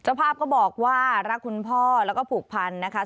ภาพก็บอกว่ารักคุณพ่อแล้วก็ผูกพันนะคะ